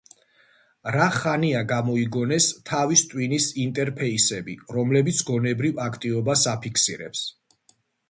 რა ხანია, გამოიგონეს თავის ტვინის ინტერფეისები, რომლებიც გონებრივ აქტივობას აფიქსირებს.